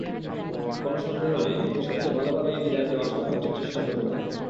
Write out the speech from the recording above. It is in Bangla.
কোনো সন্দেহ নেই, ওকে সবচেয়ে ভালোভাবেই বিদায় দেওয়ার সর্বোচ্চ চেষ্টা করবে তারা।